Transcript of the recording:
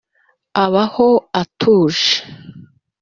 abaho atuje